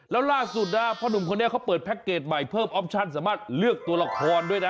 แล้วล่าสุดนะพ่อหนุ่มคนนี้เขาเปิดแพ็คเกจใหม่เพิ่มออปชั่นสามารถเลือกตัวละครด้วยนะ